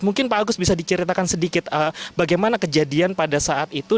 mungkin pak agus bisa diceritakan sedikit bagaimana kejadian pada saat itu